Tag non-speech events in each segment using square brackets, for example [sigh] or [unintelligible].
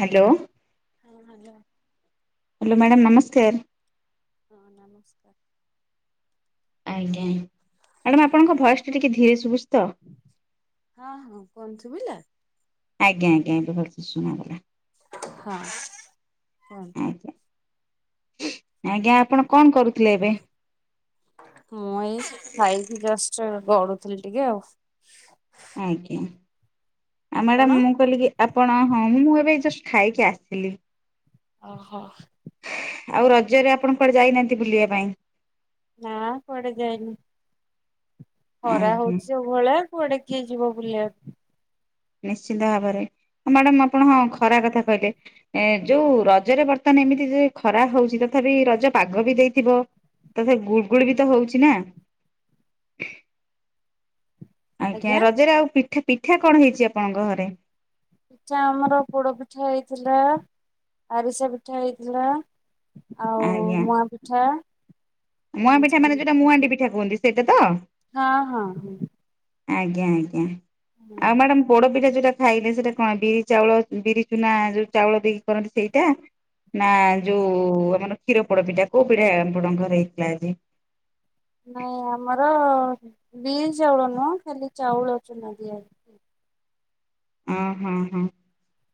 Hello. ହଁ hello. Hello madam ନମସ୍କାର। ହଁ ନମସ୍କାର। ମ୍ୟାଡ଼ାମ୍ ଆପଣଙ୍କ ଭୟସଟା ଟିକେ ଧୀରେ ଶୁଭୁଛି ତ। ହଁ-ହଁ, କୁହନ୍ ଶୁଭିଲା? ଆଜ୍ଞା ଆଜ୍ଞା, ଏବେ ଭଲସେ ଶୁଣାଗଲା। ହଁ, କୁହନ୍ତୁ। ଆଜ୍ଞା। ଆଜ୍ଞା, ଆପଣ କଣ କରୁଥିଲେ ଏବେ? ମୁଁ ଏଇ ଖାଇକି ଜଷ୍ଟ ଗଡୁଥିଲି ଟିକେ ଆଉ। ଆଜ୍ଞା, ଆଉ ଆପଣ? ମ୍ୟାଡ଼ାମ୍ ମୁଁ କହିଲିିକି ଆପଣ ହଁ, ମୁଁ ଏବେ ଜଷ୍ଟ୍ ଖାଇକି ଆସିଲି। ଓହୋଃ। ଆଉ ରଜରେ ଆପଣ କୁଆଡେ ଯାଇନାହାନ୍ତି ବୁଲିବା ପାଇଁ? ନା କୁଆଡେ ଯାଇନି, ଖରା ଆଜ୍ଞା ହଉଛି ଆଉ। ଭଲା କୁଆଡେ କିଏ ଯିବ ବୁଲିବାକୁ। ନିଶ୍ଚିନ୍ତ ଭାବରେ, ମ୍ୟାଡାମ୍ ଆପଣ ହଁ ଖରା କଥା କହିଲେ। ଏ ଯୋଉ ରଜରେ ବର୍ତ୍ତମାନ ଏମିତି ଯେ ଖରା ହଉଛି ତଥାପି ରଜ ପାଗ ବି ଦେଇଥିବ। ତ ସେ ଗୁଳୁଗୁଳି ବି ତ ହଉଛିି ନା। ଆଜ୍ଞା, ରଜରେ ଆଉ ପିଠା, ପିଠା କଣ ହେଇଛି ଆପଣଙ୍କ ଘରେ? ପିଠା ଆମର ପୋଡ ପିଠା ହେଇଥିଲା, ଆରିସା ପିଠା ହେଇଥିଲା। ଆଉ ଆଜ୍ଞା ମୁଆଁ ପିଠା। ମୁଆଁ ଏମିତି ପିଠା ସବୁ ମାନେ ଯୋଉଟା ହେଇଥିଲା। ମୁହାଣ୍ଡି ପିଠା କୁହନ୍ତି ସେଇଟା ତ? ହଁ ହଁ ହୁଁ। ଆଜ୍ଞା ଆଜ୍ଞା, ହଁ ଆଉ ମ୍ୟାଡ଼ାମ୍ ପୋଡ ପିଠା ଯୋଉଟା ଖାଇଲେ ସେଇଟା କଣ ବିରି ଚାଉଳ ବିରି ଚୁନା ଯୋଉ ଚାଉଳ ଦେଇକି କରନ୍ତି ସେଇଟା? ନା ଯୋଉ ଆମର କ୍ଷୀର ପୋଡ ପିଠା କୋଉ ପିଢା ଆପଣଙ୍କ ଘରେ ହେଇଥିଲା ଆଜି? ନାଇଁ ଆମର ବିରି ଚାଉଳ ନୁହଁ ଖାଲି ଚାଉଳ ଚୂନା ଦିଆ ହୁଁ-ହୁଁ-ହୁଁ,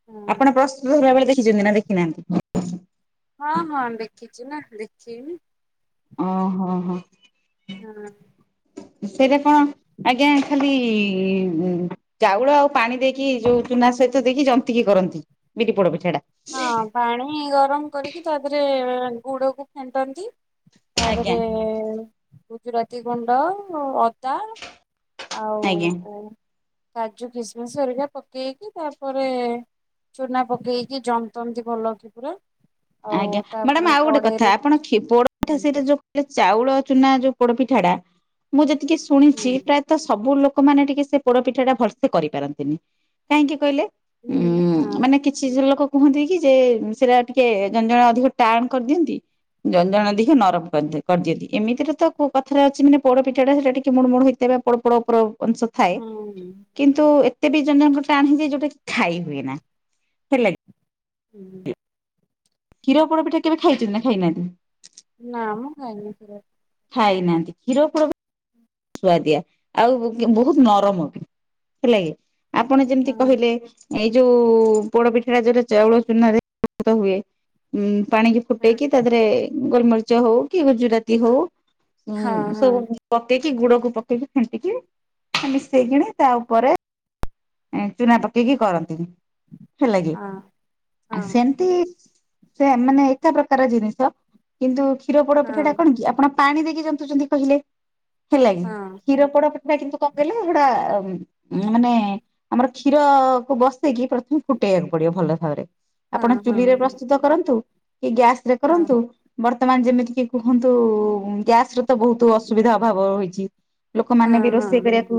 ହଁ ଆପଣ ପ୍ରସ୍ତୁତ ହେଲାବେଳେ ଦେଖିଛନ୍ତି ନା ଦେଖିନାହାନ୍ତି? ହଁ-ହଁ, ଦେଖିଚି ନା ଦେଖିବି। ହଁ-ହଁ-ହଁ। ହୁଁ। ସେଇଟା କଣ ଆଜ୍ଞା ଖାଲି-ଇ-ଇ-ଇ ଉଁ ଚାଉଳ ଆଉ ପାଣି ଦେଇକି ଯୋଉ ଚୁନା ସହିତ ଦେଇକି ଜନ୍ତିକି କରନ୍ତି ବିରି ପୋଡ ପିଠାଟା? ହଁ ପାଣି ଗରମ କରିକି ତା ଦେହରେ ଗୁଡକୁ ଫେଣ୍ଟନ୍ତି। ଆଜ୍ଞା ତାପରେ-ଏ-ଏ ଗୁଜୁରାତି ଗୁଣ୍ଡ ଅଦା ଆଉ ଆଜ୍ଞା। କାଜୁ କିସମିସ୍ ହେରିକା ପକେଇକି ତାପରେ ଚୁନା ପକେଇକି କି ଜନ୍ତନ୍ତି ଭଲ କି ପୁରା। ଆଉ ଆଜ୍ଞା, ମ୍ୟାଡାମ ତାପରେ ଆଉ ଗୋଟେ କଥା କଡେଇରେ ଆପଣ କ୍ଷୀ ପୋଡପିଠା ହୁଁ ସେଇଟା ଯୋଉ [unintelligible] ଚାଉଳ ଚୁନା ଯୋଉ ପୋଡପିଠାଟା, ମୁଁ ଯେତିକି ଶୁଣିଛି ହୁଁ ପ୍ରାୟ ତ ସବୁ ଲୋକମାନେ ଟିକେ ସେ ପୋଡ ପିଠାଟା ଭଲସେ କରିପାରନ୍ତିନି, କାହିଁକି କହିଲେ? ଉଁ-ଉଁ, ହଁ ମାନେ କିଛି ଲୋକ କୁହନ୍ତି କି ଯେ ସେଟା ଟିକେ ଜଣେ ଜଣେ ଅଧିକ ଟାଣ୍ କରିଦିଅନ୍ତି। ଜଣଜଣ ଏମିତି ହି ନରମ କରିଦି କରିଦିଅନ୍ତି ଏମିତିରେ ତ କଥାରେ ଅଛି ମାନେ ପୋଡପିଠାଟା ସେଇଟା ଟିକେ ମୁଡ୍ ମୁଡ୍ ହେଇଥିବ। ପୋଡ-ପୋଡ ଉପର ଅଂଶ ଥାଏ ହୁଁ କିନ୍ତୁ ଏ ତେବେ ଜଣ ଜଣଙ୍କର ଟାଣ ହେଇଯାଏ ଯୋଉଟା କି ଖାଇ ହୁଏ ନା, ହେଲା କି। ହୁଁ-ହୁଁ। କ୍ଷୀର ପୋଡ଼ ପିଠା କେବେ ଖାଇଛନ୍ତି ନା ଖାଇନାହାନ୍ତି? ନାମ ମ ଖାଇନି [unintelligible] ଖାଇନାହାନ୍ତି କ୍ଷୀର ଫିର ବି ସୁଆଦିଆ ଆଉ ବହୁତ ନରମ ବି ହେଲାକି ଆପଣ ଯେମିତି ହଁ କହିଲେ ଏଇ ଯୋଉ ପୋଡପିଠାଟା ଯୋଉଟା ଚାଉଳ ଚୂନରେ [inaudible] ହୁଏ ଉ ପାଣି କି ହଁ ଫୁଟେଇକି ତା ଦେହରେ ଗୋଲମରିଚ ହଉ କି ଗୁଜୁରାତି ହଉ ଉ ସବୁ ହଁ ଦେଇକି ଗୁଡକୁ ପକେଇକି ଫେଣ୍ଟିକି ମିଶେଇକିଣି ତା ଉପରେ ଚୁନା ପକେଇକି କରନ୍ତିନି ହେଲାଗି ହଁ ହଁ ସେମତି ସେ ମାନେ ଏକା ପ୍ରକାର ଜିନିଷ କିନ୍ତୁ କ୍ଷୀର ପୋଡ ପିଠା ଟା କଣ କି ଆପଣ ପାଣି ଦେଇକି ଜନ୍ତୁ କହିଲେ ହେଲା କିି ହଁ କ୍ଷୀର ପୋଡ ପିଠା ଟା କିନ୍ତୁ କଣ କହିଲେ ସେଗୁଡା ମାନେ ଆମର କ୍ଷୀର କୁ ବସେଇକି ପ୍ରଥମେ ଫୁଟେଇବାକୁ ପଡିବ ଭଲ ଭାବରେ। ହଁ ଆପଣ ହଁ ଚୁଲି ରେ ହଁ ପ୍ରସ୍ତୁତ କରନ୍ତୁ କି ଗ୍ୟାସ ରେ ହଁ କରନ୍ତୁ ବର୍ତ୍ତମାନ ଯେମିତି କିି କୁହନ୍ତୁ ଗ୍ୟାସ ର ତ ବହୁତ ଅସୁବିଧା ଅଭାବ ହୋଇଚି। ଲୋକମାନେ ବି ରୋଷେଇ କରିବାକୁ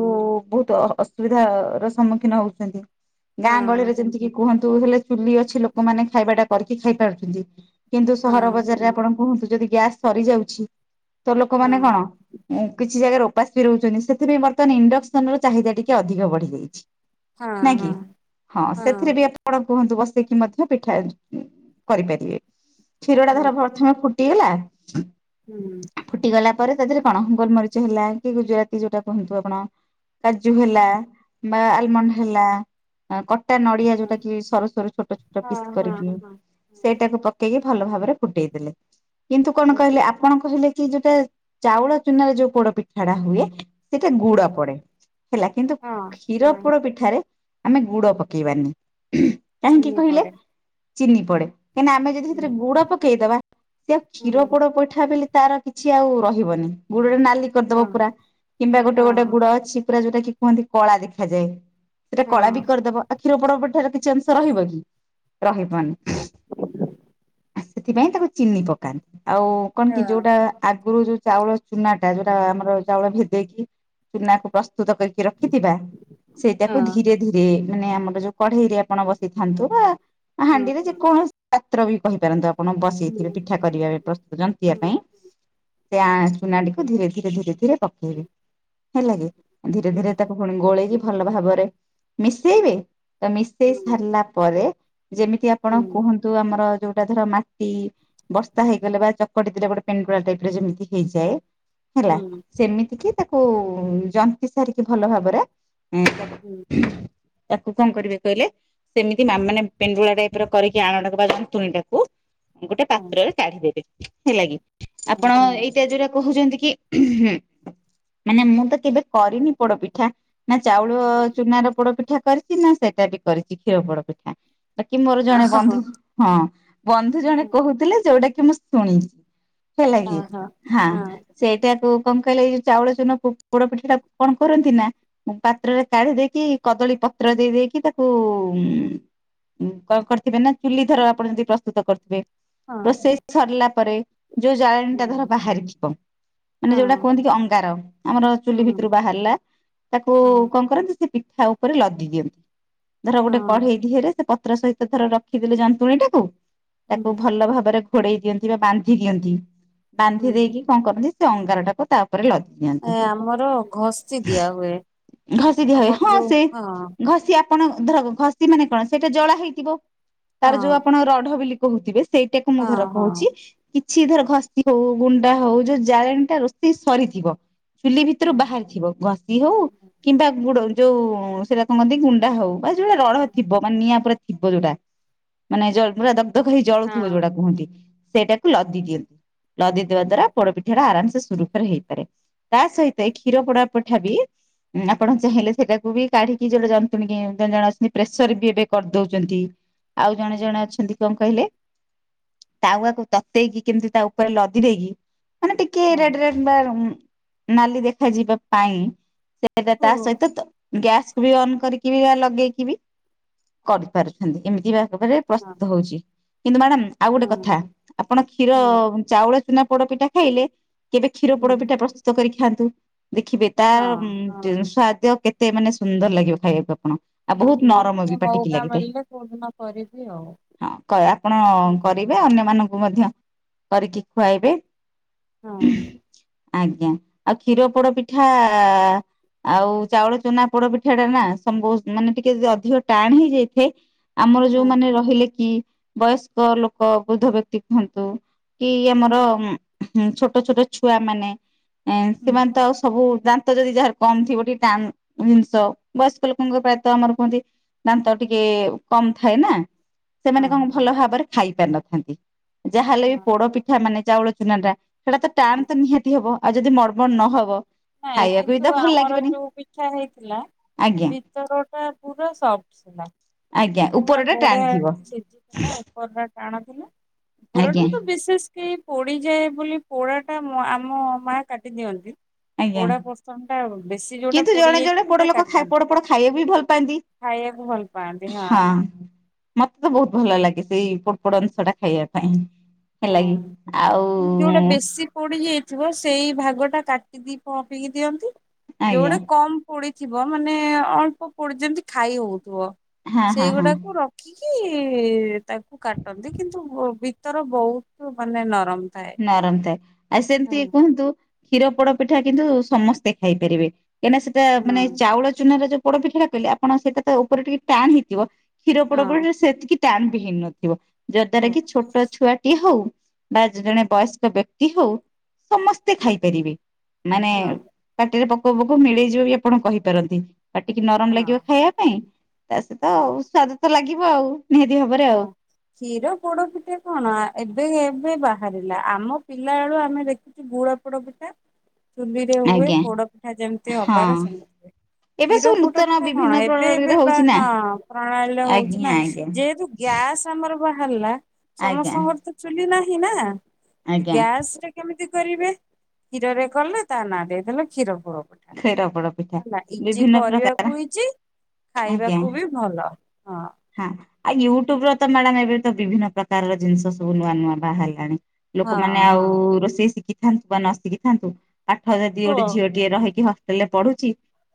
ବହୁତ ଅସୁବିଧା ର ସମ୍ମୁଖୀନ ହଉଚନ୍ତି। ଗାଁ ଗହଳିରେ ଯେମିତିକି କୁହନ୍ତୁ ହେଲେ ଚୁଲି ଅଛି ଲୋକମାନେ ଖାଇବାଟା କରିକି ଖାଇ ପାରୁଚନ୍ତି। କିନ୍ତୁ ସହର ବଜାରରେ ଆପଣ କୁହନ୍ତୁ ଯଦି ଗ୍ୟାସ୍ ସରିଯାଉଛି ତ ଲୋକମାନେ କଣ ଉଁ କିଛି ଜାଗାରେ ଉପାସ ବି ରହୁଚନ୍ତି ସେଥିପାଇଁ ବର୍ତମାନ ଇଣ୍ଡକ୍ସନ ର ଚାହିଦ ଟିକେ ଅଧିକ ବଢିଯାଇଚି। ନା କିି ହଁ ସେଥିରେ ବି [inaudible] ଆପଣ କୁହନ୍ତୁ ବସେଇକି ମଧ୍ୟ ପିଠା କରିପାରିବେ। କ୍ଷୀର ଟା ଧର ପ୍ରଥମେ ଫୁଟିଗଲା ହୁଁ। ଫୁଟିଗଲା ପରେ ତା ଦେହରେ କଣ ଗୋଲମରିଚ ହେଲା କି ଗୁଜୁରାତି ଯୋଉଟା କୁହନ୍ତୁ ଆପଣ କାଜୁ ହେଲା ବା ଆଲମଣ୍ଡ ହେଲା କଟା ନଡିଆ ଯୋଉଟା କି ସରୁ ସରୁ ଛୋଟ ଛୋଟ ପିସ୍ କରିକି ସେଇଟାକୁ ପ ପକେଇକି ଭଲ ଭାବରେ ଫୁଟେଇ ଦେଲେ କିନ୍ତୁ କଣ କହିଲେ ଆପଣ କହିଲେ କି ଯୋଉଟା ଚାଉଳ ଚୁନାରେ ଯୋଉ ପୋଡ ପିଠା ଟା ହୁଏ। ସେଇଟା ଗୁଡା ପଡେ ହେଲା କିନ୍ତୁ କ୍ଷୀର ପୋଡ ପିଠାରେ ଆମେ ଗୁଡ ପକେଇବାନି କାହିଁକି କହିଲ ଚିନି ପଡେ। କାହିଁକିନା ଆମେ ଯଦି ସେଥିରେ ଗୁଡ ପକେଇଦବା ସେ ଆଉ କ୍ଷୀର ପୋଡ ପିଠା ବୋଲି ତାର କିଛି ଆଉ ରହ ବନି ଗୁଡଟା ନାଲି କରିଦବ ପୁରା କିମ୍ବା ଗୋଟେ ଗୋଟେ ଗୁଡ ଅଛି ପୁରା ଯୋଉଟା କି କୁହନ୍ତି କଳା ଦେଖାଯାଏ ସେଟା କଳା ବି କରିଦବ ଆ କ୍ଷୀର ପଡ ପାର କିଛି ଅଂଶ ରହିବ କି। ରହିବନି। ସେଥିପାଇଁ ତାକୁ ଚିନି ପକାନ୍ତି ଆଉ କଣ କି ଯୋଉଟା ଆଗରୁ ଯୋଉ ଚାଉଳ ଚୁନା ଟା ଯୋଉଟା ଆମର ଚାଉଳ ଭେଦେଇକି ଚୁନାକୁ ପ୍ରସ୍ତୁତ କରି ରଖିଥିବା ସେଇଟାକୁ ଧୀରେ ଧୀରେ ମାନେ ଆମର ଯୋଉ କଢେଇରେ ପଣା ବସେଇଥାନ୍ତୁ ବା ହାଣ୍ଡିରେ ଯେକୌଣସି ପାତ୍ର ବି କହିପାରନ୍ତୁ ଆପଣ ବସେଇଥିବେ ପିଠା କରିବା ପ୍ରସ୍ତୁତ ଜନ୍ତିବା ପାଇଁ। ସେ ଆ ଚୁନାଟିକୁ ଧୀରେ ଧୀରେ ଧୀରେ ଧୀରେ ପକେଇବେ ହେଲା କି ଧୀରେ ଧୀରେ ତାକୁ ପୁଣି ଗୋଳେଇକି ଭଲ ଭାବରେ ମିଶେଇବେ ତ ମିଶେଇ ସାରିଲା ପରେ ଯେମିତି ଆପଣ କୁହ ତୁ ଆମର ଯୋଉଟା ଧର ମାଟି ବସ୍ତା ହେଇଗଲେ ବା ଚକଟି ଦେଲେ ଗୋଟେ ପେଣ୍ଡୁଳା ଟାଇପ ରେ ଯେମତି ଠିକ ହେଇଯାଏ ହେଲା। ସେମିତି କିି ତାକୁ ଜନ୍ତିି ସାରିକି ଭଲ ଭାବରେ ଉ [inaudible] ହୁଁ। ତାକୁ କଣ କରିବେ କହିଲେ ସେମିତି ମାମାନେ ପେଣ୍ଡୁଳା ଟାଇପ ର କରିକି ଆଣଟାକୁ ବା ଜନ୍ତୁଣି ଟାକୁ ଗୋଟେ ପାତ୍ରରେ ତାଢିଦେବେ ହେଲା କିି ଆପଣ ଏଇ ଯୋଉଟା କହୁଛନ୍ତି କି ମାନେ ମୁଁ ତ କେବେ କରିନି ପୋଡପିଠା। ନା ଚାଉଳ ଚୁନାର ପୋଡ ପିଠା କରିଚି ନା ସେଇଟା ବି କରିଚି କ୍ଷୀର ପୋଡପିଠା ବାକି ମୋର ଜଣେ ବନ୍ଧୁ ହଁ ବନ୍ଧୁ ଜଣେ କହୁଥିଲେ ଯୋଉଟା କି ମୁଁ ଶୁଣି ହେଲା କି ହାଁ। ସେଇଟାକୁ କଣ କହିଲେ ଏଇ ଚାଉଳ ଚୁନ ପୋଡ ପିଠାଟା କଣ କରନ୍ତି ନା ପାତ୍ରରେ କାଢି ଦେଇକି କଦଳୀ ପତ୍ର ଦେଇ ଦେଇକି ତାକୁ କଣ କରିଥିବେ ନା ଚୁଲି ଧର ଆପଣ ଯଦି ପ୍ରସ୍ତୁତ କରିଥିବେ। ରୋଷେଇ ସରିଲା ପରେ ଯୋଉ ଜାଳେଣୀ ଟା ଧର ବାହାରିଥିବ ମାନେ ଯୋଉଟା କୁହନ୍ତି କି ଅଙ୍ଗାର। ଆମର ଚୁଲି ଭିତରୁ ବାହାରିଲା। ତାକୁ କଣ କରନ୍ତି ସେ ପିଠା ଉପରେ ଲଦି ଦିଅନ୍ତି। ଧର ଗୋଟେ ହଁ କଢେଇ ଧିହରେ ସେ ପତ୍ର ସହିତ ଧର ରଖିଦେଲେ ଯନ୍ତୁଣୀ ଟାକୁ ହୁଁ ତାକୁ ଭଲ ଭାବରେ ଖୋଡେଇ ଦିଅନ୍ତି ବା ବାନ୍ଧି ଦିଅନ୍ତି। ବାନ୍ଧି ହୁଁ ଦେଇକି କଣ କରନ୍ତି ସେ ଅଙ୍ଗାରଟାକୁ ତା ଉପରେ ଲଦି ଦିଅନ୍ତି। ଏ ଆମର ଘସି ଦିଆ ହୁଏ। ଘଷି ଦିଆ ହୁଏ। ଆମର ହଁ ଯୋଉ ସେ ହଁ ଘଷିିଆ ଆପଣ ଧର ଘସିି ମାନେ କଣ ସେଇଟା ଜଳା ହେଇଥିବ ହଁ ତାର ଯୋଉ ଆପଣ ରଢ ବୋଲି କହୁଥିବେ। ସେଇଟାକୁ ମୁଁ ହଁ ଧର ହଁ କହୁଛି କିଛି ଧର ଘ ଜି ହୋଉ ଗୁଣ୍ଡା ହୋଉ ଯୋଉ ଜାଳେଣୀ ଟା ରୋଷେଇ ସରିଥିବ। ଚୁଲି ଭିତରୁ ହଁ। ବାହାରିଥିବ। ଘଷି ହଉ କିମ୍ବା ଗୁଡ ଯୋଉ ସେଟା କଣ କହନ୍ତି ଗୁଣ୍ଡା ହଉ। ବା ଯୋଉଟା ରଡ ଥିବ ମାନେ ନିଆଁ ପୁରା ଥିବ ଯୋଉଟା ମାନେ ଜ ପୁରା ଦକ ହେଇ ହଁ ଜଳୁଥିବ ହଁ ଯୋଉଟା କୁହନ୍ତି। ସେଇଟାକୁ ଲଦି ଦିଅନ୍ତି। ଲଦେଇଦବା ହଁ ଦ୍ଵାରା ପୋଡ ପିଠାଟ ଆରାମ୍ ସେ ସୁରୁଖୁରୁ ରେ ହେଇପାରେ। ତା ସହିତ କ୍ଷୀର ପୋଡା ପଠା ବି ଆପଣ ଚାହିଁଲେ ସେଟାକୁ ବି କାଢିକି ଗୋଟେ ଜନ୍ତୁଣୀ ଜଣେ ଅଛନ୍ତି। ପ୍ରେସର ବି ଏବେ କରିଦଉଛନ୍ତି। ଆଉ ହଁ। ଜଣେ ହଁ। ଜଣେ ଅଛନ୍ତି କଣ କହିଲେ ତାଉଆକୁ ତତେଇକି କେମିତି ତା ପୁରା ଲଦି ଦେଇକି ମାନେ ଟିକେ ହଁ ହଁ ରେଟ୍ ରେ କିମ୍ବା ନାଲି ଦେଖାଯିବା ପାଇଁ ସେଟା ତା ସହିତ ଗ୍ୟାସ୍ କୁ ବି ଅନ୍ କରିକି ବି ବା ଲଗେଇକି ବି କରିପାରୁଛନ୍ତି ଏମିତି ବା? ହଁ ପ୍ରସ୍ତୁତ ହଉଛି କିନ୍ତୁ ମ୍ୟାଡ଼ାମ୍ ଆଉ ଗୋଟେ କଥା ଆପଣ କ୍ଷୀର ଚାଉଳ ଚୁନା ପୋଡପିଠା ଖାଇଲେ କେବେ କ୍ଷୀର ହୁଁ ପୋଡପିଠା ପ୍ରସ୍ତୁତ କରି ଖାଆନ୍ତୁ। ଦେଖିବେ ତାର ହଁ ହଁ। ସ୍ଵାଦ କେତେ ମାନେ ସୁନ୍ଦର ଲାଗିବ ଖାଇବାକୁ ଆପଣ। ଆଉ ବହୁତ ନରମ ମତେ ବି ପାଟିକି ମଉକା ଲାଗିଥାଏ। ମିଳିଲେ କୋଉଦିନ କରିବି ଆଉ। ହଁ କ ଆପଣ କରିବେ? ଏ ଅନ୍ୟମାନଙ୍କୁ ମଧ୍ୟ କରିକି ଖୁଆଇବେ। ହଁ ଆଜ୍ଞା ଆଉ କ୍ଷୀର ପୋଡ ପିଠା। ଆଉ ଚାଉଳ ଚୁନା ପୋଡ ପିଠା ଟା ନାବ ମାନେ ଟିକେ ଯଦି ଅଧିକ ଟାଣ ହେଇଯାଇଥାଏ। ଆମର ହଁ ଯୋଉମାନେ ରହିଲେ କି ବୟସ୍କ ଲୋକ ବୃଦ୍ଧ ବ୍ୟକ୍ତି କୁହନ୍ତୁ। କି ଆମର ଛୋଟ ଛୋଟ ଛୁଆ ମାନେ ହୁଁ ସେମାନେ ତ ଆଉ ସବୁ ଦାନ୍ତ ଯଦି ଯାହାର କମ ଥିବ ଟିକେ ଟାଣ ଜିନିଷ ବୟସ୍କ ଲୋକଙ୍କ ପ୍ରାୟତଃ ଆମର କୁହନ୍ତି। ଦାନ୍ତ ଟିକେ କମ୍ ଥାଏ ନା। ସେମାନେ ହଁ କଣ ଭଲ ଭାବରେ ଖାଇ ପାରିନଥାନ୍ତି। ଯାହା ହେଲେ ହଁ ବି ପୋଡ ପିଠା ମାନେ ଚାଉଳ ଚୁନା ଟା ସେଟା ତ ହଁ। ଟାଣ ତ ନିହାତି ହବ ଆଉ ଯଦି ମରମଣ ନ ହବ? ନାଇଁ କିନ୍ତୁ ଆମର ଯୋଉ ପିଛା ହେଇଥିଲା ଆଜ୍ଞା ତରଟା ପୁରା ସଫ୍ଟ ଥିଲା। ଆଜ୍ଞା ଉପର ପୁରା ଟା ଟାଣ ବଢିଆ ଏ ଥିବ ସିଝିଥିଲା ଆଉ। ପରଟା ଟାଣ ଥିଲା। ଆଜ୍ଞା ପରଟା ତ ବିଶେଷ କେହି ପୋଡ଼ିଯାଏ ବୋଲି ପୋଡ଼ାଟା ଆମ ମା କାଟିଦିଅନ୍ତି। ଆଜ୍ଞା ପୋଡା ପୋସନ ଟା ବେଶୀ ଯୋଉଟା କିନ୍ତୁ ପୋଡି ଜଣେ ଯାଇଛି ଜଣେ ପୋଡ ସେଟା ଲୋକ ପୋଡ କାଟନ୍ତୁ। ପୋଡ ଖାଇବାକୁ ବି ଭଲ ପାଆନ୍ତି। ଖାଇବାକୁ ଭଲ ପାଆନ୍ତି ହଁ। ମତେ ତ ବହୁତ ଭଲ ଲାଗେ ସେଇ ପୋଡ଼ ପୋଡ ଅଂଶ ଟା ଖାଇବା ପାଇଁ। ହଁ। ହେଲା କିି ଆଉ ପୋଡ଼ି ଯାଇଥିବ ସେଇ ଭାଗ ଟା କାଟିଦି ପହପିକି ଦିଅନ୍ତି ଆଜ୍ଞା ଯୋଉଟା କମ୍ ପୋଡିଥିବ ମାନେ ଅଳ୍ପ ପୋଡି ଯେମିତି ଖାଇ ହଉଥିବ। ହଁ ହଁ ହଁ। ସେଇଗୁଡାକୁ ର କି କି ତାକୁ କାଟନ୍ତି। କିନ୍ତୁ ଭିତର ବହୁତ ମାନେ ନରମ। ଥାଏ। ନରମ ଥାଏ ଆଉ ସେମିତି ହୁଁ। କୁହନ୍ତୁ। କ୍ଷୀର ପୋଡ ପିଠା କିନ୍ତୁ ସମସ୍ତେ ଖାଇ ପାରିବେ କାହିଁକିନା ସେଇଟା ମାନେ ହଁ ଚାଉଳ ଚୁନାରେ ଯୋଉ ପୋଡ ପିଠା କହିଲେ ଆପଣ ସେଇଟା ଉପରେ ଟିକେ ଟାଣ ହେଇଥିବ କ୍ଷୀର ପୋଡ ହଁ ପିଠା ସେଟିକେ ଟାଣବି ହେଇ ନଥିବ ହଁ ଯଦ୍ଵାରା କି ଛୋଟ ଛୁଆଟି ହଉ ଯେ ଜଣେ ବୟସ୍କ ବ୍ୟକ୍ତି ହଉ ସମସ୍ତେ ଖାଇପାରିବେ ମାନେ ହଁ ପାଟିରେ ପକ୍ କୋବକୁ ମିଳିଯିବ ବି ଆପଣ କହିପାରନ୍ତି। ପାଟି କି ନରମ ହଁ ଲାଗିବ ଖାଇବା ପାଇଁ ତା ସହିତ ହଁ। ସ୍ଵାଦ ତ ଲାଗିବ ଆଉ ନିହାତି ଭାବରେ ଆଉ। ହଁ। କ୍ଷୀର ପୋଡ ପିଠା କଣ ଏବେ ଏବେ ବାହାରିଲା ଆମ ପିଲା ବେଳୁ ଆମେ ଦେଖ୍ ଗୁଳା ପୋଡ ପିଠା ଚୁଲିରେ ହୁଏ ଆଜ୍ଞା ପୋଡପିଠା ଯେମିତି ହଁ। ହବାର ସେମିତି ହୁଏ। ଏବେ କ୍ଷୀର ସବୁ ନୂତନ ପୋଡ଼ପିଠା ବିଭିନ୍ନ କଣ ଏବେ ପ୍ରଣାଳୀରେ ଏବେ ବା ହଉଛି ନା ହଁ ପ୍ରଣାଳୀରେ ହଉଛି ନା ଆଜ୍ଞା ଆଜ୍ଞା। ଯେହେତୁ ଗ୍ୟା ଗ୍ୟାସ୍ ଆମର ବାହାରିଲା ଆଜ୍ଞା ସମସ୍ତଙ୍କର ତ ଚୁଲି ନାହିଁ ନା ଆଜ୍ଞା ଗ୍ୟାସରେ କେମିତି କରିବେ କ୍ଷୀରରେ କଲେ ତା ନାଁ ଦେଇଦେଲେ କ୍ଷୀର ପୋଡ ପିଟ୍ ଖିର ପୋଡ ପିଠା ବିଭିନ୍ନ ପ୍ରକାର ହୁଇଛି ଆଜ୍ଞା। ଖାଇବାକୁ ବି ଭଲ ହଁ। ହଁ ଆଉ ୟୁଟ୍ୟୁବ୍ରେ ତ ମ୍ୟାଡାମ ଏବେ ତ ବିଭିନ୍ନ ପ୍ରକାରର ଜିନିଷ ସବୁ ନୂଆ ନୂଆ ବାହାରିଲାଣି। ଲୋକମାନେ ହଁ ହଁ ଆଉ ରୋଷେଇ ଶିଖିଥାନ୍ତୁ ବା ନ ଶିଖିଥାନ୍ତୁ ପାଠ ଯଦି ଗୋଟେ ପୁଅ ଝିଅ ଟିଏ ରହିକି ନା ହେଲେ ପଢୁଛି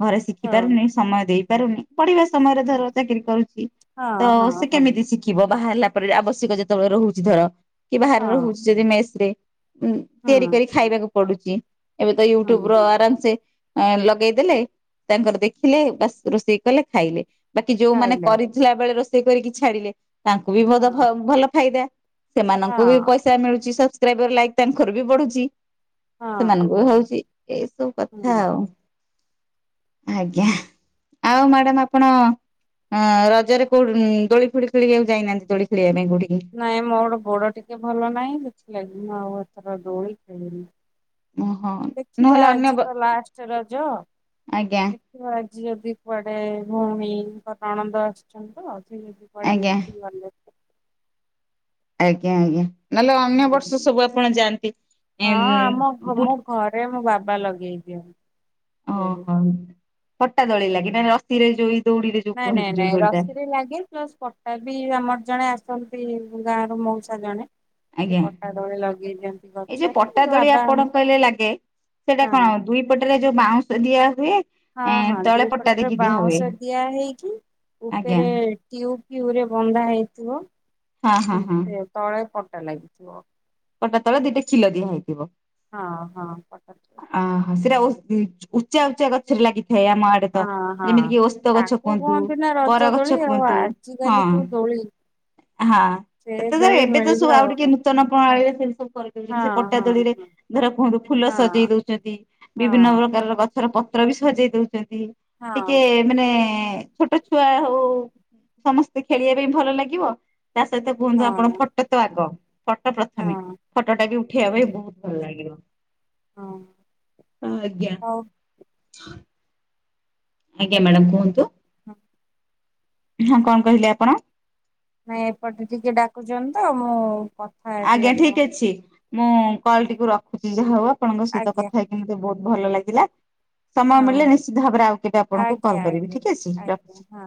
ଘରେ ହଁ ଶିଖିପାରୁନି ସମୟ ଦେଇପାରୁନି ପଢିବା ସମୟରେ ଧର ଚାକିରି କରୁଛି ହଁ ତ ହଁ ସେ ହଁ କେମିତି ଶିଖ୍ କିବ ବାହାହେଲା ପରେ ଆବଶ୍ୟକ ଯେତେବେଳେ ରହୁଛି ଧର କି ବାହାରେ ହଁ ରହୁଛି ଯଦି ମେସରେ ଉଁ ହୁଁ ତିଆରି କରି ଖାଇବାକୁ ପଡୁଛି ଏବେତ ହୁଁ ୟୁଟ୍ୟୁବ୍ ର ହୁଁ ଆରାମସେ ଅ ଲଗେଇଦେଲେ ତାଙ୍କର ଦେଖିଲେ ବାସ ରୋଷେଇ କଲେ ଖାଇଲେ ବାକି ଯୋଉମାନେ ଖାଇଲେ କରି ବଳେ ରୋଷେଇ କରିକି ଛାଡିଲେ ତାଙ୍କୁ ବି ମଜା ହଁ ଭଲ ଫାଇଦା ସେମାନଙ୍କୁ ବି ହଁ ପଇସା ମିଳଛି ସବସ୍କ୍ରାଇବର ଲାଇକ୍ ତାଙ୍କର ବି ବଢୁଛି ହଁ ସେମାନଙ୍କୁ ବି ହଉଛି ଏ ସବୁ। କଥା ହୁଁ ଆଉ ଆଜ୍ଞା ଆଉ ମ୍ୟାଡାମ୍ ଆପଣ? ହଁ ରଜରେ କୋଉଠ ଦୋଳି ଫୋଳି ଖେଳି ଆକୁ ଯାଇନାହାନ୍ତି ଦୋଳି ଖେଳିବା ପାଇଁ କୋଉଠିକି? ନାଇଁ ମୋର ଗୋଡ଼ ଟିକେ ଭଲ ନାହିଁ ସେଥି ଲାଗି ଆଉ ଏଥର ଦୋଳି ଖେଳିିନି। ଓହୋ ଦେଖିବା ନହେଲେ ଅନ୍ୟ ଆଜି ତ ଲାଷ୍ଟ୍ ରଜ ଆଜ୍ଞା ଆଜି ଯଦି କୁଆଡେ ଭଉଣୀଙ୍କ ନଣନ୍ଦ ଆସିଛନ୍ତି ତ ସେ ଯଦି କୁଆଡେ ଆଜ୍ଞା ନେଇକି ଗଲେ ଆଜ୍ଞା ଆଜ୍ଞା ନହେଲେ ଅନ୍ୟ ହୁଁ। ବର୍ଷ ସବୁ ଆପଣ ଯାଆନ୍ତି ଉଁ ଉଁ ବୁଟ୍ ଆରେ ମୋ ବାବା ଲଗେଇ ଦିଅନ ଓହୋ ପଟା ଦୋଳି ଲାଗେ ନା ରସିରେ ଯୋଇ ନାଇଁ ନାଇଁ ନାଇଁ ରଶୀରେ ଲାଗେ ପ୍ଲସ୍ ପଟା ବି ଆମର ଜଣେ ଆସନ୍ତି ଗାଁରୁ ମଉସା ଜଣେ ସେ ଆଜ୍ଞା ପଟା ଦୋଳି ଲଗେଇ ଦିଅନ୍ତି ଏଇ ଯୋଉ ଗଛରେ ପଟା ଦୋଳି ବାବା ଆପଣ କହିଲେ ଲାଗେ ସେଇଟା ହଁ କଣ ଦୁଇ ପଟରେ ଯଉ ବାଉଁଶ ଦିଆ ହୁଏ? ହଁ ଏଁ ହଁ ତଳେ ଦୁଇ ପଟା ପଟରେ ଦେଇକି ଦିଆ ହୁଏ। ବାଉଁଶ ଦିଆ ହେଇ କି ଆଜ୍ଞା ଉପରେ ଟୁବ୍ ଫୁ୍ଉ ରେ ବନ୍ଧା ହେଇଥିବ। ହଁ ହଁ ହଁ। ସେ ତଳେ ପଟା ଲାଗିଥିବ। ପଟା ତଳେ ଦିଟା କ୍ଷିଲ ଦିଆ ହେଇଥିବ ହଁ ହଁ ପଟା ଆଉ ସେଟା ବହୁତ ସ୍ପିଡି ଉଚା ଉଚା ଗଛରେ ଲାଗିଥାଏ ଆମ ଆଡ୍ ତ ହଁ ହଁ। ଯେମିତି ଓସ୍ତ ଗଛ ତାକୁ କୁହନ୍ତୁ କୁହନ୍ତି ନା ରଜ ବର ଦୋଳି ଗଛ ଆଉ କୁହନ୍ତୁ ଆଜିକାଲି ହଁ ଯୋଉ ଦୋଳି ହଁ ସେ ଏତେ ଯାଏ ଦୋଳି ଏବେ ତ ମିଳିବ ସବୁ ଆଉ ଟିକେ ନୂତନ ଣାଳିରେ ସେ ସବୁ କରିଦଉଛନ୍ତି ସେ ଆଉ ପଟା ଦୋଳିରେ ହଁ ଧର କୁହନ୍ତୁ ଫୁଲ ହଁ ସଜେଇ ଦଉଛନ୍ତି। ହଁ ବିଭିନ୍ନ ପ୍ରକାରର ଗଛର ପତ୍ର ବି ସଜେଇ ଦଉଛନ୍ତି ହଁ ହଁ ଟିକିଏ ମାନେ ଛୋଟ ଛୁଆ ହଉ ସମସ୍ତେ ଖେଳିବା ପାଇଁ ଭଲ ଲାଗିବ ତା ସହିତ କୁହନ୍ତୁ ଆପଣ ହଁ ଫଟୋ ତ ଆଗ ଫଟ ହଁ ପ୍ରଥମେ ହଁ। ଫଟୋଟା ବି ହଁ ଉଠେଇବା ପାଇଁ ବହୁତ୍ ଭଲ ଲାଗିବ। ହଁ ହଁ ଆଜ୍ଞା ହଉ ଆଜ୍ଞା ମ୍ୟାଡ଼ାମ କୁହନ୍ତୁ ହଁ ହଁ କଣ କହିଲେ ଆପଣ ନାଇଁ ଏପଟେ ଟିକେ ଡାକୁଛନ୍ତି ତ ମୁଁ ହେବି ଆଜ୍ଞା ଠିକ ଆପଣଙ୍କୁ ଅଛି ମୁଁ କଲ ହଁ ଟିକୁ ରଖୁଛି ଯାହା ହଉ ଆପଣଙ୍କ ସହିତ ଆଜ୍ଞା କଥା ହେ ଏମତି ବହୁତ ଭଲ ଲାଗିଲା ସମୟ ହଁ ମିଳିଲେ ନିଶ୍ଚିତ ଭାବରେ ଆଉ କେବେ ଆପଣଙ୍କୁ ଆଜ୍ଞା କଲ୍ କରିବି ଆଜ୍ଞା ଠିକ ଅଛି ଆଜ୍ଞା ରଖୁଛି ହଁ।